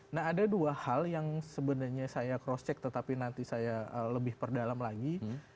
nah ada dua hal yang sebenarnya saya cross check tetapi nanti saya lebih perdalam lagi